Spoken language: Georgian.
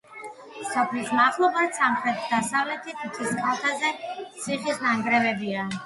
სოფლის მახლობლად, სამხრეთ-დასავლეთით მთის კალთაზე ციხის ნანგრევებია.